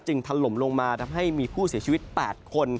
ถล่มลงมาทำให้มีผู้เสียชีวิต๘คน